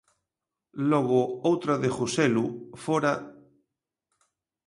Logo outra de Joselu, fóra...